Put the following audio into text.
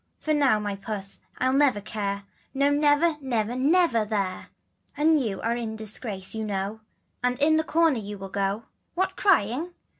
For you my puss I'll never care, No never, never, never, Mere, And you are in disgrace you know, And in the corner you must go. What crying?